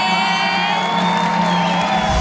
ไอ้กะถิ่นที่เตรียมไว้เนี่ยไม่ต้อง